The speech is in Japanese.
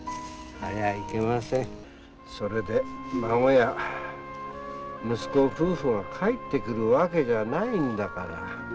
それで孫や息子夫婦が帰ってくるわけじゃないんだから。